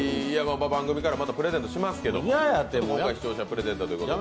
番組からまたプレゼントしますが、今回視聴者プレゼントということで。